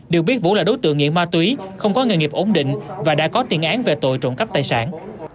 được biết vũ là đối tượng nghiện ma túy không có nghề nghiệp ổn định và đã có tiền án về tội trộm cắp tài sản